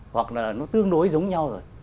hoặc là nó tương đối giống nhau rồi